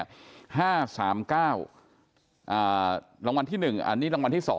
รางวัลที่๑อันนี้รางวัลที่๒